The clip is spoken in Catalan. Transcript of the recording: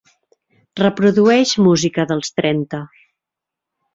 reprodueix música dels trenta